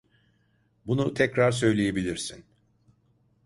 Bunu tekrar söyleyebilirsin.